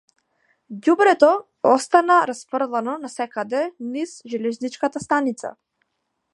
Ѓубрето остана расфрлано насекаде низ железничката станица.